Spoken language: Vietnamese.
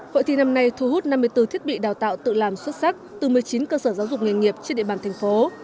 hội thi năm nay thu hút năm mươi bốn thiết bị đào tạo tự làm xuất sắc từ một mươi chín cơ sở giáo dục nghề nghiệp trên địa bàn thành phố